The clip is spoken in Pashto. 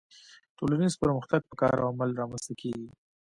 ټولنیز پرمختګ په کار او عمل رامنځته کیږي